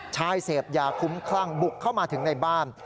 ชายเสพยาคุ้มคลั่งบุกเข้ามาถึงในบ้าน